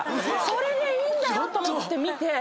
それでいいんだよと思って見て。